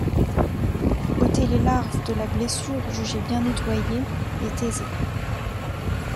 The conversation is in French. Ôter les larves de la blessure jugée bien nettoyée est aisé.